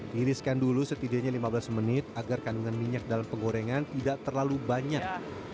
tiriskan dulu setidaknya lima belas menit agar kandungan minyak dalam penggorengan tidak terlalu banyak